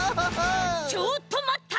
ちょっとまった！